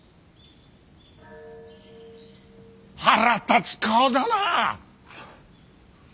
腹立つ顔だなあ！